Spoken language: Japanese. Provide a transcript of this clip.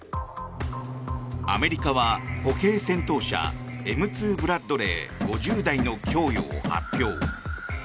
アメリカは、歩兵戦闘車Ｍ２ブラッドレー５０台の供与を発表。